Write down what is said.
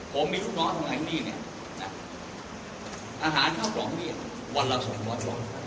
ผมมีลูกน้อยตรงไหนนี่เนี่ยอาหารเข้าของเนี่ยวันละ๒๐๐บาท